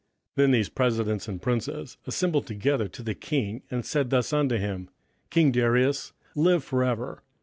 27:006:006 Then these presidents and princes assembled together to the king, and said thus unto him, King Darius, live for ever.